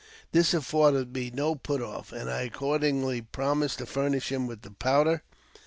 '' This afforded me no put off, and I accordingly promised to iurnish him with the powder.